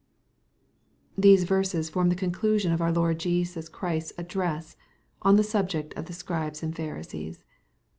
These verses form the conclusion of our Lord Jesus Christ's address, on the subject of the Scribes and Phari sees.